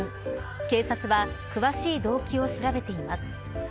警察は詳しい動機を調べています。